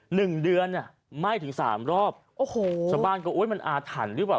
หนึ่งเดือนอ่ะไหม้ถึงสามรอบโอ้โหชาวบ้านก็อุ้ยมันอาถรรพ์หรือเปล่า